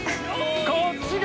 こっちか。